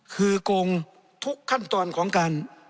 คือโกงทุกขั้นตอนของการ